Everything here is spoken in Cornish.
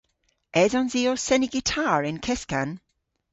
Esons i ow seni gitar y'n keskan?